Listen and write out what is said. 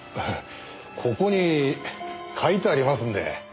ここに書いてありますんで。